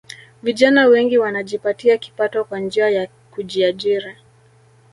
Vijana wengi wanajipatia kipato kwa njia ya kujiajiri